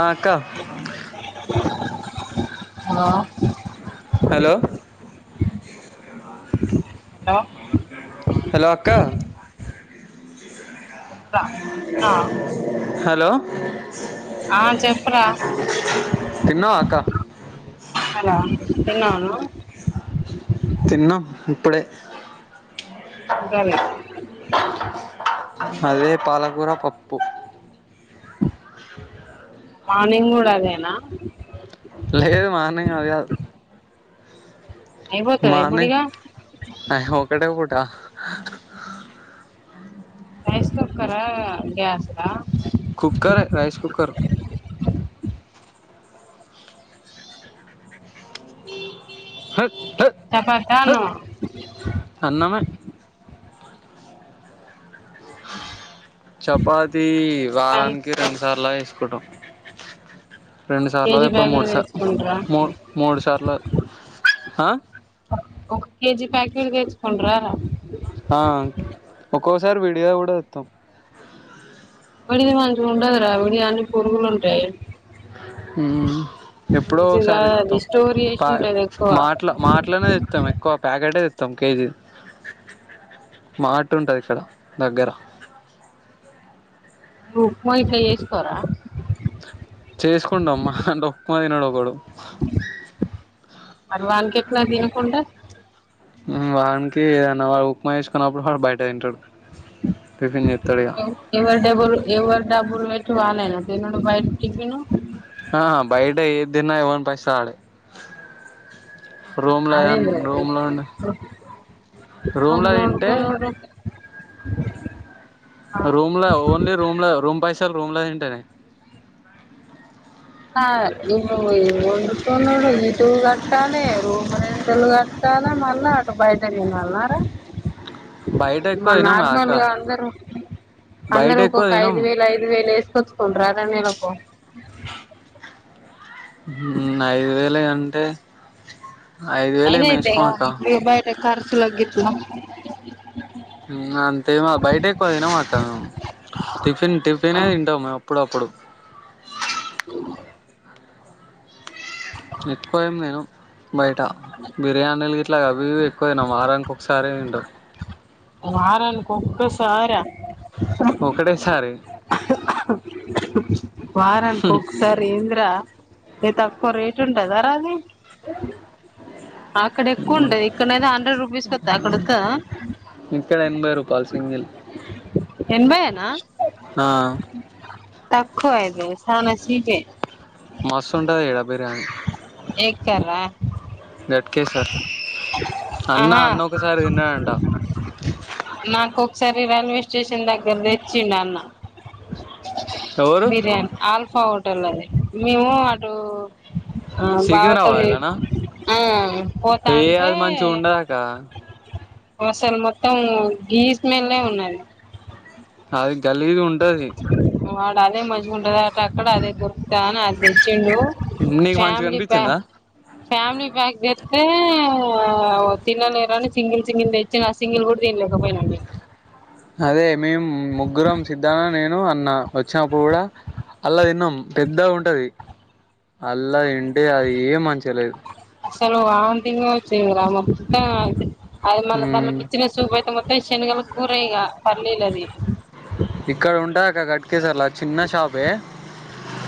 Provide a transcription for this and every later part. ఆ అక్క ఆ హలో హలో చెప్పురా హలో అక్క తిన్నావ హలో ఆ చెప్పు రా తిన్నావా అక్క తిన్నావ నువ్వు తిన్నాం ఇప్పుడే ఉండాలి మాది పాలకూర పప్పు మార్నింగ్ కూడా అదేనా లేదు మార్నింగ్ అది కాద్ అయిపోతదా ఇప్పుడు మార్నింగ్ ఇగ ఆ ఒక్కటే పూట రైస్ కుక్కరా గ్యాస్ రా cooker rice cooker hot hot తపతాను హట్ అన్నమే చపాతి అన్ వారానికి రెండు సార్లు అయి కోట రెండు సార్లు కేజీ అవిప్పు ప్యాకెట్ మూడుసా తెచ్చుకుంటరా మూ మూడు సార్లు ఆ ఒక కేజీ ప్యాకెట్ తెచ్చుకుండ్రా రా ఆ ఒక్కోసారి విడియా కూడా తీత్తం బడికి మంచిగుండదురా విడియో అన్ని పురుగులుంటాయి. మ్ ఎప్పుడో మంచిగా ఒకసారి అది ఇస్తాం స్టోర్ చేసి పాయ ఉంటది ఎక్కువ మాట్ల మాట్లనే తెత్తం ఎక్కువ ప్యాకెటే తెత్తం కేజీ మార్ట్ ఉంటది ఇక్కడ దగ్గర. ఉప్మా ఇట్లా చేసుకోరా చేసుకుంటాం మహమ్ ట ఉప్మా తినడు ఒకడు మరి వానికెట్ల తినుకుంటే వానికి ఏదన్నా వా ఉప్మా వేసుకున్నప్పుడు వాడు బయట తింటాడు టిఫిన్ చేస్తాడు ఇక ఎవ ఎవరు డబ్బులు ఎవరు డబ్బులు పెట్ టు వాళ్లేనా తినుడు బయట టిఫిను పైస ఆడే రూమ్లా యావన్ రూమ్ లో నే రూమ్ లో వండుకోనీరు రూమ్ల ఓన్లీ రూమ్ ల రూమ్ పైసల్ రూమ్ల తింటేనే. కాదు ఇప్పుడు ఈ వండుకొనుడు ఇటు కట్టాలే రూమ్ రెంటులు కట్ కట్టాలా మల్లా అటు బయట తినాల్నారా బయట ఎక్కువ మల్ తినం నార్మల్ అక్క గా అందరుూ, బయట అందరుూ ఎక్కువ ఒక్కొక్క తినం ఐదు వేలు ఐదు వేలు ఏస్ క్కొచుకుంటారా రా నెలకు మ్ ఐదు వేలె అంటే ఐదు వేలు పైన ఏమి అయితయి కదా వేసుకోమక్క ఇప్పుడు ఈ బయట ఖర్చులకు గిట్ల మ్ అంతే మా బయట ఎక్కువ తినం అక్క మేము టిఫిన్ టిఫినే తింటాం మే అప్పుడప్పుడు అ ఎక్కువ ఏం తినం బయట బిర్యానీలు గిట్ల అవి ఇవి ఎక్కువ తినం వారానికి ఒకసారె తింటాం వారానికి ఒక్కసార? ఒక్కటే సారి. వారానికి ఒక్కసారి ఏందిరా ఏ తక్కువ రేట్ ఉంటద రా అది అక్కడ ఎక్కువ ఉంటది ఇక్కడనైతె హండ్రెడ్ రూపీస్ కి వత్తది అక్కడ వత్తదా? ఇక్కడ ఎనభై రూపాయల్ సింగల్ ఎనబై ఏ నా ఆ తక్కువ అయితే చానా చీపే మస్తుంటది ఈడ బిర్యానీ ఎక్కర్ర దట్ కే ఫర్ ఆహా నాకొకసారి రైల్వే స్టేషన్ దగ్గర తెచ్చిండు అన్న ఎవరు బిర్యానీ ఆల్ఫా హోటల్ లోది మేము అటు ఆ బావతో న సికింద్రాబాద్లనా ఏ పోతాండ అది మంచిగా ఉండదక్క అసలు మొత్తం గీస్ మీద ఉన్నది అ వాడు అదే మజ్గా ఉంటది అట అక్కడ అదే దొరుకుతా అని అది తెచ్చ ఏ నీకు మంచిగా ఫ్యామలీ పా అనిపించిందా ఫ్యామిలీ ప్యాక్ పెతే తిన్ననిర సింగిల్ సింగిల్ తెచ్చి నా సింగిల్ కూడా తి లేకపోైనా అదే మేము ముగ్గురం సిద్ధాన నేను నే అన్న వచ్చినప్పుడు కూడా అల్లా తిన్నం పెద్ద ఉంటది అల్లా ఏంటే అది ఏం మంచిలేదు సలు వా తింగ్ వచ్చి రామ పా అతే అది మన ఉమ్ దానిలోకి ఇచ్చిన సూపు అయితే మొత్తం శనగల కూరయగా పర్లీలుది ఇక్కడ ఉండ ఓకే సార్లా చిన్న షాపే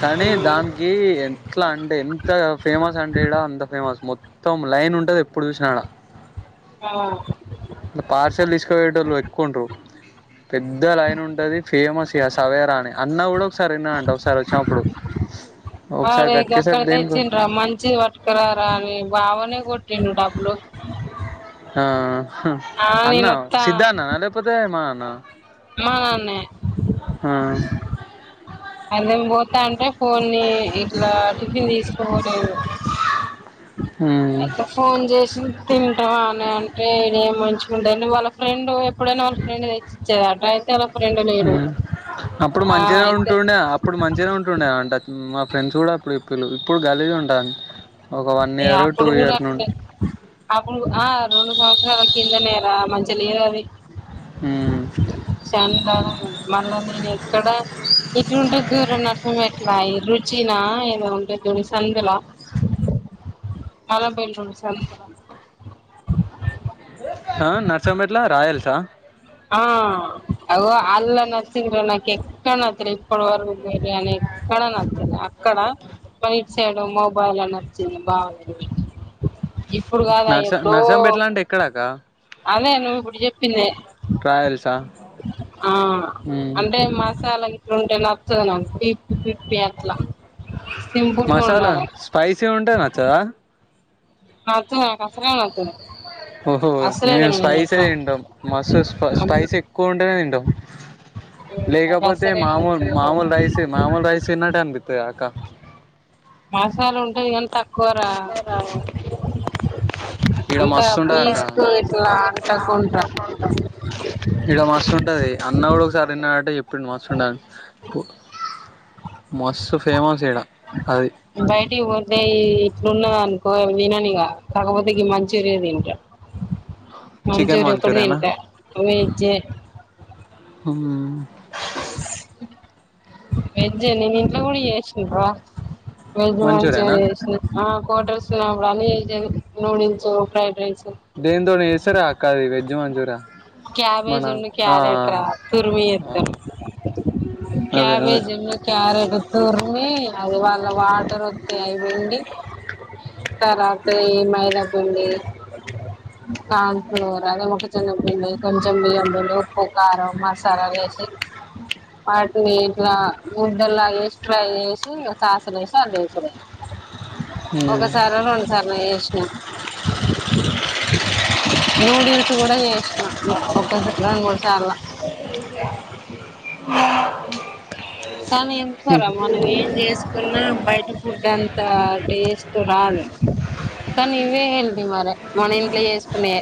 కానీ దానికి ఎట్లా అంటే ఎంత ఫేమస్ అంటే ఇ అంత ఫేమస్ మొత్తం ొ తము లైన్ ఉంటది ఎప్పుడు చూసినాడ ఆ పార్సెల్ తీసుకుేట వాళ్ళు ఎక్కువండ్రు పెద్ద లైన్ ఉంటుంది ఫేమస్ ఇక సవేరాని అన్న కూడా ఒకసారి విన్నాంట ఒకసారి వచ్చినప్పుడు ఒకసారి వాడే ఇక అక్కడ గట్కేసరి దేనికో తెచ్చిండరా మంచి పట్కరారా అని బావనే కూడా రెను టాపులు ఆ అన్నా సిద్ధ అన్నానా అదేపోతే మా అన్నా నాన్నే అదేం పోతా అంటే కొన్ని ఇట్లా టిఫిన్ తీసుకోలేదు ఉమ్ అయితే ఫోన్ చేసి తింటాంమాని అంటే ఏడ మంచి ఉంటే వాళ్ళ ఫ్రెండ్ ఎప్పుడైనా వాళ్ళ ఫ్రెండ్ ఇచ్చేదాడు అప్పుడు ఆ మంచిగానే అయితే ఉంటుండే అప్పుడు మంచిగానే ఉంటుండ అంట మా ఫ్రెండ్స్ కూడా ఇప్పుడు ఇప్పులు ఇప్పుడు గగాలిగా ఉంటాంది ఒక వన్ ఇయర్ టూ ఏప్పుడు ఇయర్ నుండి కూడాప్పుడు రణ కిందనేరా మంచి లేదు అది హ చంగా మళ్ళా నేను ఎక్కడ ఇటు ఉంటే దూరం నర్సం బై రుచిన ఏదో ఉంట తుని సందలా కలబయిల్ నుూడు సాల స ఆ అ అలా నచ్చకు్ర నాకు ఎక్కడ నచ్చలే ఇప్పుడు వ బిర్యానీి కనన్తనా అక్కడ పైట్ చేయడం మొబైల్ అని వచ్చింది బాగుందిది ఇప్పుడు కాదా నర్స ఎప్పుడో నర్సంపేట్ల అంటే ఎక్కడక్క అదే నువ్వు ఇప్పుడు చెప్పింది ట్ర్రాయల్ ఆ అంటే మాసాల రంటే వతుంది నా ఫిఫ ఫి అంతలా మసాలా స్పైసీ ఉంటా నచ్చదా [unintelligible] ఓహో అసలే మేము తినను స్పైసే అట్లా తింటాం మస్తు స్పైస్ ఎక్కువ ఉంటే తింటాం నాకు లేకపోతే అసలే మామూలు నచ్చదు మామూలు రైస్ మామూలు రైస్ తిన్నట్టు అనిపిత కదా అక్క ఆ మసాల ఉంటది ఏం తక్కువరా ఇడ మస్తు ఉండదాకా ఇట్లా అంటకుంట్రా ఈడ మస్తు ఉంటది అన్న కూడా ఒకసారి తిన్నాడంటా చెప్పండు మస్తు ఉంట మస్ ఫేమస్ ఇడ అది ఇప్పుడున్నద అనుకో తిననిక కాకపోతే ఇ మంచి ఉరది ఇంట్లో చికెన్ మంచూరియ ఒకటి మంచూరియనా తరింట వెజ్ వెజ ఇంట్లో కూడా చేస వెజ్ మంచూరియనా మంచూర్ చే హోటల్స్ ఉన్నాప్పుడు అన్న చేస నూడిల్స్ ఫ్రైడ్ రైస్ దేనింతోనే చేస్తారు అక్క అది వెజ్ మంచూరియా మన క్యాబేజ్ ఉన్ను ఆ క్యారెట రా తుర్మిీ ఆ అదే అదే క్యాబేజ్ ఎ క ఆారడుత్తూరు అదివల్ల వాటర్ వస్తే అయివండి తర్వాత మైదా పిండి కార్న్ఫ్లోర్ అదే ముఖ చెన్న పిండి కొంచెం బియ్యం లేండి ఉప్పు కారం మసాలా వే వాటిని ఇట్లా ముద్దలా వేసి ఫ్రై చేేసి సాసన వేసి అ మ్మ్ ఒకసారి రెండు సార్లు చేసినాను నూడిల్స్ కూడా చేసిన ఒక రెండు మూడు సార్లు కానీ ఎందుకురా మనం ఏం చేసుకున్నా బయట ఫుడ్ అంతా టేస్ట్ రాదు కానీ ఇవే హెల్తీ మరి మన ఇంట్లో చేసుకునే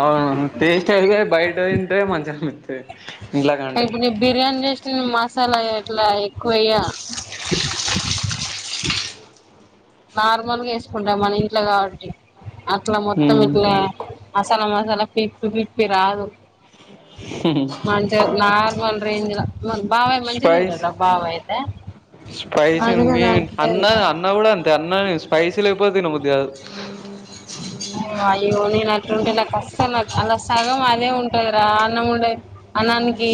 అవును టస్ట్ అయిగా బయట తింటే మంచిగా అనిపిస్తాది ఇప్పుడు నేను బిర్యానీ [unintelligible] అసలా అట్లా ఎక్కువయ్యా నార్మల్గా వేసుకుంటాారు మన ఇంట్లో కాబట్టి అట్లా మొత్తం మ్మ్ ఇట్లా మసాలా మసాలా పిప్ప పిప్పి రాదు మంచిగా నార్మల్ రేంజ్ల బావాయి స్పైస్ మంజంలో బావయితే స్పైసీ మీ అన్న అన్న కూడా అంతే అన్న స్పైసీ లేకపోతే తిన బుద్ది కాదు అయ్యో నేను అట్లుంటే నాకు వస్తాను నాకు అలా సగం అదే ఉంటది దారుణంగా ఉండే అన్నానికి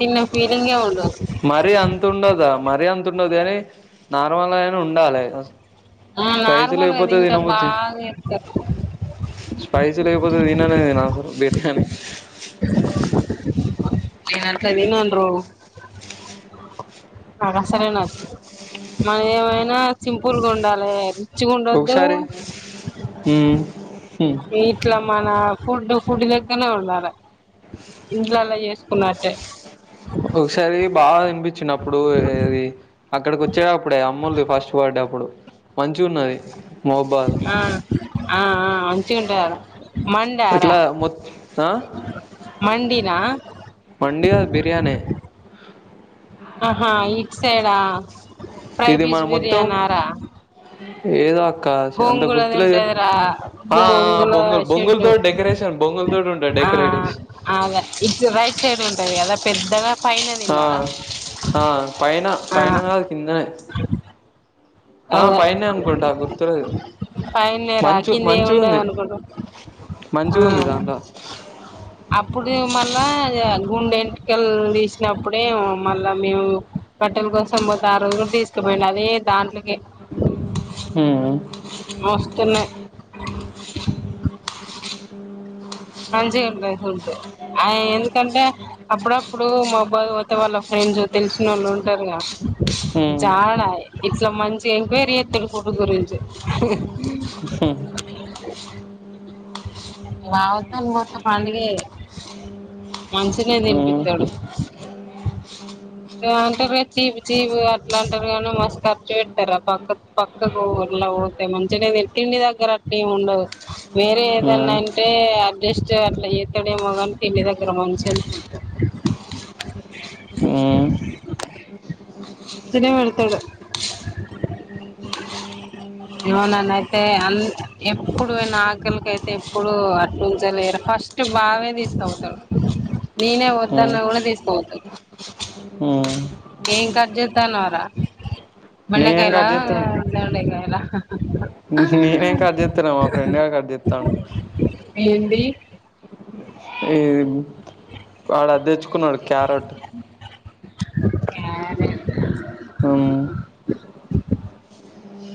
తిన్న ఫీలింగే ఉండదు మరీ అంత ఉండదా మరీ అంత ఉండదు కాని నార్మల్ గాయినా ఉండాలి ఆ స్పైసీ నార్మల్ అది లేకపోతే ఇంత తినబుద్ది బాగా ఇతారు స్పైసీ లేకపోతే తిననే తినసలు బిర్యానీ [unintelligible] నాకు అసలే నచ్చదు మాది ఏమైనా సింపుల్గా ఉండాలి రిచ్గా ఉండొద్దు ఔసారి ఇట్లా మన ఫుడ్ ఫుడ్ దగ్గరనే ఉండాలి ఇంట్ల అలా చేసుకున్నట్టే ఒకసారి బాగా వినిపించినప్పుడు ఇది అక్కడికి వచ్చేటప్పుడే అమ్ములది ఫస్ట్ బర్డే అప్పుడు మంచి ఉన్నది మహబాద్ ఆ ఆ ఆ మంచుకుంటారు మందారా ఇట్లా మొ ఆ మండిన ట్టనే ఫై పీస్ బిర్యానర ఏద అంత గుర్తులేదు కానీ ఉంటదిరా ఆ గోంగూర బొంగులు షెడ్డు బొంగుల్తో డెకరేషన్ బొంగుల్ తోటి ఉంటాయి ఆ డెకరేట్ ఆ అద ఇ రైట్ సైడ్ ఉంటది కదా పెద్దగా పైన ఆ తిన్నారా ఆ పైనా ఆ పైన గాదు కిందనే ఆ పైనే అనుకుంటా గుర్తులేదు పైన నేర కింది ఏముండదు అనుకుంటాం మంచిగ ఉంది దాంట్లో అప్పుడు మళ్ళా గుండె క్క తీసినప్పుడే మళ్ళా మేము బట్టల కోసం పోతే ఆ రోజులు తీస్ కమైనాది హు మస్తున్నాయ్ ఆ మంచిగుంట ఫుడ్ ఆయ ఎందుకంటే అప్పుడప్పుడు మా అబ్బాయి పోతే వాళ్ళ ఫ్రెండ్ కొంచం తెలిసినోళ్ళు ఉంటారుగా హ్మ్ జాడా ఇట్లా మంచి ఎంక్వైరీ ఎస్తాడు ఫుడ్ గురించి ఆ నా త పండుగే మంచిగానే హ్మ్ తినిపిత్తాడు అంతే చిపు చీపు అట్లాంటరు కానీ మస్ ఖర్చు పెడతారు ఆ పాప పక్క పక్కకులాడతాయి మంచిగా తిండి దగ్గర అట్లేం ఉండవు వేరే ఏదన్నా అంటే అడ్జస్ట్ అట్లా చేతాడేమో కాని తిండి దగ్గర మంచిని అ ఉ తినే ఎడుతడు ఏమననయితే అన్ ఎప్పుడునాకలికైతే ఎప్పుడు అట్లుంచలేరు ఫస్ట్ బావే తీసుకపోతాడు నేనే వద్దన్న హ్మ్ కూడా తీసుకోపోతాడు హ్మ్ ఏ కర్జ త్తనవార నేనేం బెండకాయలా కట్ చేత్తను దొండకాయలా నేనేం కడ్ జీతలేనా మా ఫ్రెండ్ గాడు కట్ జేత్తాండు ఏంది ఈ వాడు అది తెచ్చుకున్నాడు క్యారెట్ క్యారెట్ అ